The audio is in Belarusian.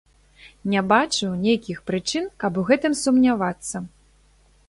Не бачу нейкіх прычын, каб у гэтым сумнявацца.